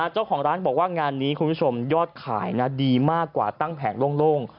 เจ้าของร้านบอกว่างานนี้คุณผู้ชมยอดขายดีมากกว่าตั้งแผงโล่ง